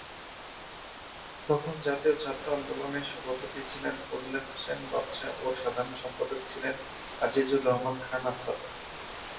তখন জাতীয় ছাত্র আন্দোলনের সভাপতি ছিলেন ফজলে হোসেন বাদশা ও সাধারণ সম্পাদক ছিলেন আজিজুর রহমান খান আসাদ।